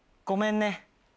ごめんね。